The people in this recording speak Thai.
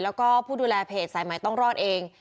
แล้วก็ผู้ดูแลเพจสายใหม่ต้องรอดเอง